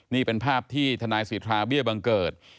นี่เป็นภาพที่ทนายสิทธาเบี้ยบังเกิด